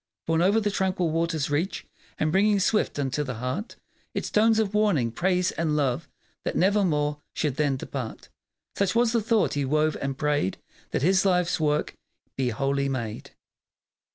Borne o'er the tranquil waters' reach And bringing swift unto the heart Its tones of warning, praise, and love, That nevermore should then depart. Such was the thought he wove, and prayed That his life's work be holy made.